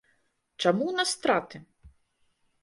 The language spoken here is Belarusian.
Чаму ў нас страты?